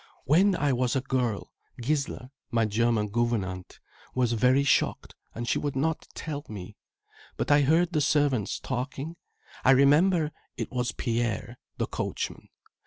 When I was a girl, Gisla, my German gouvernante, was very shocked and she would not tell me. But I heard the servants talking. I remember, it was Pierre, the coachman.